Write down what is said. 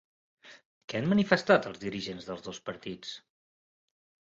Què han manifestat els dirigents dels dos partits?